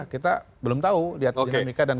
kita belum tahu lihat dinamika dan